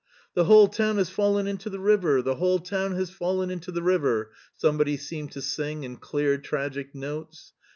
" The whole town has fallen into the river ! The whole town has fallen into the river!'* somebody seemed to sing in clear, tragic notes.